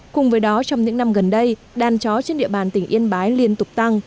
cùng với đó trong những năm gần đây đàn chó trên địa bàn tỉnh yên bái liên tục tăng